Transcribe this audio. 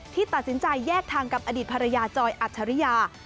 ที่ตัดสินใจแยกทางกับอดีตภรรยาจอยอัจฉริยา